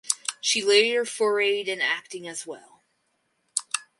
She later forayed in acting as well.